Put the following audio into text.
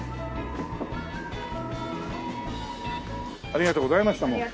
ありがとうございましたもう。